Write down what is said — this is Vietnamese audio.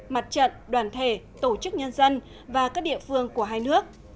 mặt trận đoàn thể tổ chức nhân dân và các địa phương của hai nước